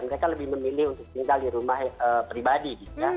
mereka lebih memilih untuk tinggal di rumah pribadi